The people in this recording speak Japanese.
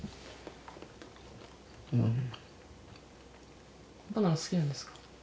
うんバナナ好きなんですか？